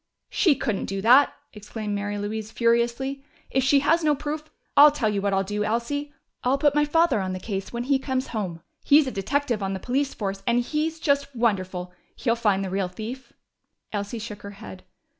"She couldn't do that!" exclaimed Mary Louise furiously. "If she has no proof ... I'll tell you what I'll do, Elsie! I'll put my father on the case when he comes home! He's a detective on the police force, and he's just wonderful. He'll find the real thief." Elsie shook her head.